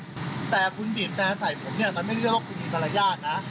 อ้าวแต่คุณบีบแปลใส่ผมเนี่ยมันไม่ได้โลกคุณมีประหลาดนะ